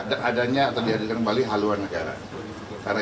adanya terlihat di kepala haluan negara